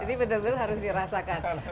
jadi benar benar harus dirasakan